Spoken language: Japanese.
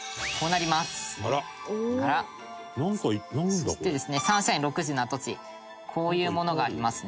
「そしてですねサンシャイン６０の跡地こういうものがありますね」